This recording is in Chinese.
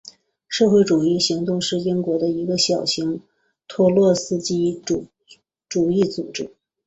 社会主义行动是英国的一个小型托洛茨基主义组织。